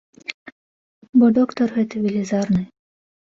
Бо доктар гэты велізарны.